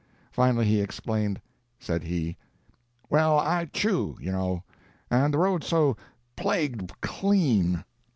Finally he explained. Said he, "Well, I chew, you know, and the road's so plagued clean."